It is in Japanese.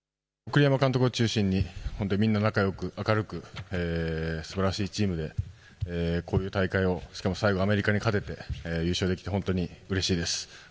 栗山監督を中心に本当みんな仲よく明るくすばらしいチームでこういう大会を、しかも最後アメリカに勝てて優勝できて本当にうれしいです。